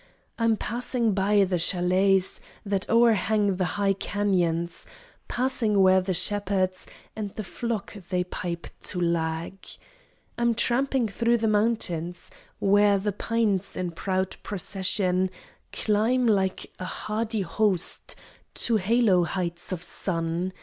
I'm passing by the chalets That o'erhang the high cañons, Passing where the shepherds And the flocks they pipe to lag. I'm tramping thro the mountains Where the pines in proud procession Climb like a hardy host To halo heights of sun.